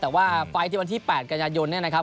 แต่ว่าไฟล์ที่วันที่๘กันยายนเนี่ยนะครับ